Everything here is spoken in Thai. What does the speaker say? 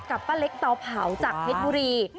กับป้าเล็กต่อเผาจากเทศบุรี